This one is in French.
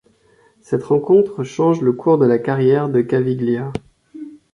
Cette rencontre change le cours de la carrière de Caviglia.